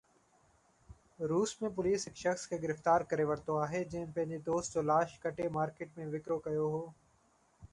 روس ۾ پوليس هڪ شخص کي گرفتار ڪري ورتو آهي جنهن پنهنجي دوست جو لاش ڪٽي مارڪيٽ ۾ وڪرو ڪيو هو